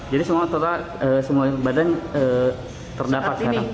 jadi semua total semua badan terdapat sekarang